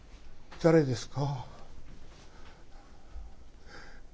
誰ですか？